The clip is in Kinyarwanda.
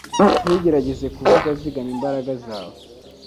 Ntugerageze kuvuga Zigama imbaraga zawe